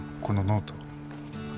このノート。